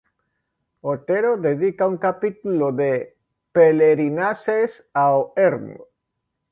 Otero dedica un capítulo de "Pelerinaxes" ao ermo...